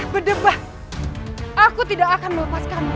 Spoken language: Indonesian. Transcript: berdebat aku tidak akan melepaskanmu